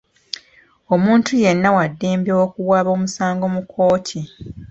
Omuntu yenna wa ddembe okuwaba omusango mu kkooti.